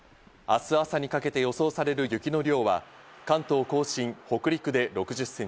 明日朝にかけて予想される雪の量は、関東甲信、北陸で６０ｃｍ。